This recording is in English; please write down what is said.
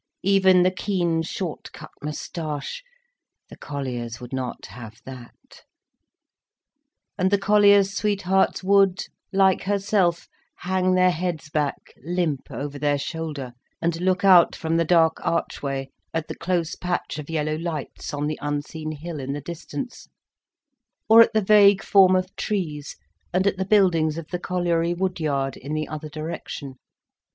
Even the keen, short cut moustache—the colliers would not have that. And the colliers' sweethearts would, like herself, hang their heads back limp over their shoulder, and look out from the dark archway, at the close patch of yellow lights on the unseen hill in the distance, or at the vague form of trees, and at the buildings of the colliery wood yard, in the other direction.